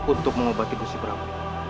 untuk mengobati busy prabu